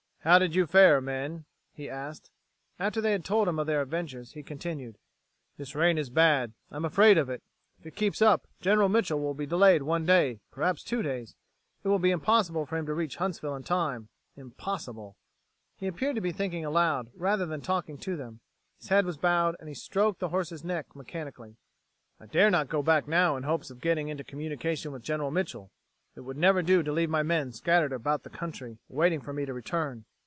"How did you fare, men?" he asked. After they had told him of their adventures, he continued: "This rain is bad. I'm afraid of it. If it keeps up, General Mitchel will be delayed one day, perhaps two days. It will be impossible for him to reach Huntsville in time impossible." He appeared to be thinking aloud, rather than talking to them. His head was bowed, and he stroked the horse's neck mechanically. "I dare not go back now in hopes of getting into communication with General Mitchel. It would never do to leave my men scattered about the country, waiting for me to return.